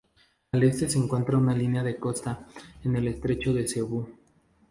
Al este se encuentra la línea de costa, en el estrecho de Cebú.